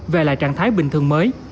về lại trạng thái bình thường mới